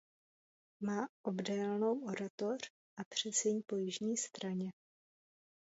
Má obdélnou oratoř a předsíň po jižní straně.